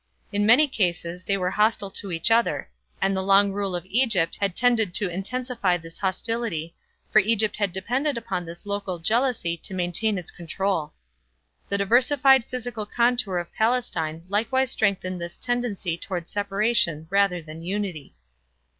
In many cases they were hostile to each other; and the long rule of Egypt had tended to intensify this hostility, for Egypt had depended upon this local jealousy to maintain its control. The diversified physical contour of Palestine likewise strengthened this tendency toward separation rather than unity.